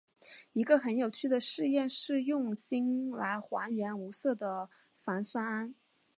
一个很有趣的试验是用锌来还原无色的钒酸铵。